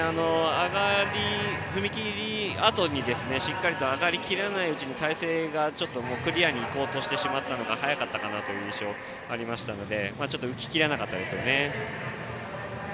踏み切りあとにしっかりと上がりきらないうちに体勢がクリアにいこうとしてしまったのが早かったかなという印象がありましたので浮ききらなかったですね。